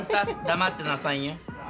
黙ってなさいよ。